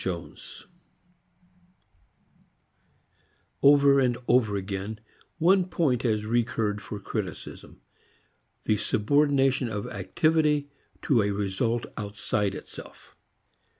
IX Over and over again, one point has recurred for criticism; the subordination of activity to a result outside itself.